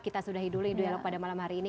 kita sudah hiduli dialog pada malam hari ini